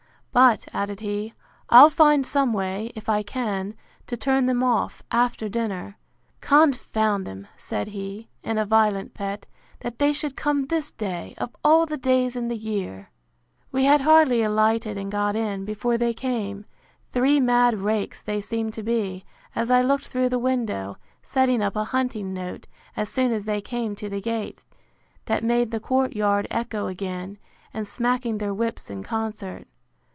But, added he, I'll find some way, if I can, to turn them off, after dinner.—Confound them, said he, in a violent pet, that they should come this day, of all the days in the year! We had hardly alighted, and got in, before they came: Three mad rakes they seemed to be, as I looked through the window, setting up a hunting note, as soon as they came to the gate, that made the court yard echo again; and smacking their whips in concert.